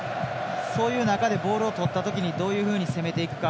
そういう中でボールをとった時にどういうふうに攻めていくか。